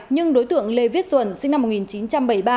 nhưng đối tượng lê viết duẩn sinh năm một nghìn chín trăm bảy mươi ba